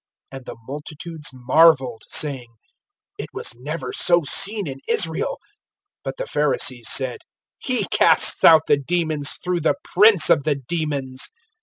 And the multitudes marveled, saying: It was never so seen in Israel. (34)But the Pharisees said: He casts out the demons through the prince of the demons.